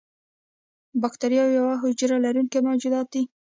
بکتیریا یوه حجره لرونکي موجودات دي.